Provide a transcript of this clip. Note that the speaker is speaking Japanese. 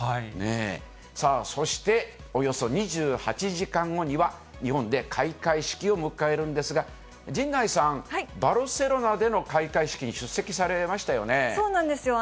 さあ、そしておよそ２８時間後には、日本で開会式を迎えるんですが、陣内さん、バルセロナでの開会式に出席されましたよね。